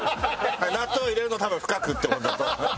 納豆を入れるのを多分深くって事だと。